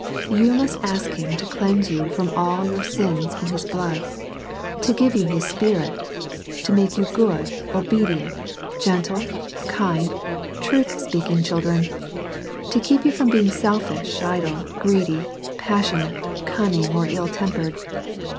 You must ask Him to cleanse you from all your sins in His blood, — ^to give you His Spirit, — to make you good, obedient, gentle, kind, truth speaking children, — to keep you from being selfish, idle, greedy, passionate, cunning, or ill tempered.